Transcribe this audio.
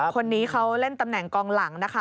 คนนี้เขาเล่นตำแหน่งกองหลังนะคะ